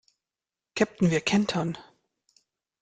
Käpt'n, wir kentern!